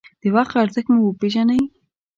د وخت ارزښت مو وپېژنئ.